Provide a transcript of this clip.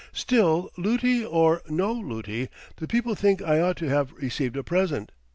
Still, luti or no luti, the people think I ought to have received a present.